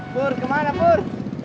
pur kemana pur